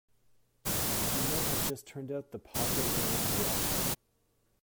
She might have just turned out the pocket of an old dress.